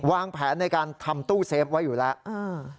วางแผนในการทำตู้เซฟไว้อยู่แล้ว